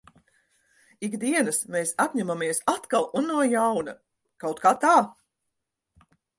Ik dienas mēs apņemamies atkal un no jauna. Kaut kā tā.